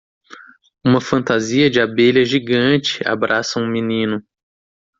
Uma fantasia de abelha gigante abraça um menino.